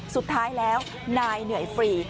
สุดท้ายแล้วนายเหนื่อยฟรี